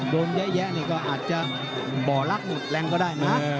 โดนเยอะแยะนี่ก็อาจจะบ่อรักหมดแรงก็ได้นะ